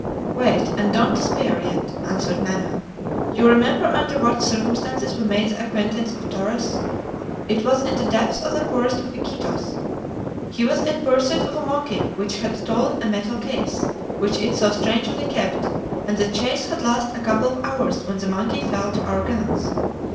"Wait, and don't despair yet!" answered Manoel. "You remember under what circumstances we made the acquaintance of Torres? It was in the depths of the forest of Iquitos. He was in pursuit of a monkey which had stolen a metal case, which it so strangely kept, and the chase had lasted a couple of hours when the monkey fell to our guns.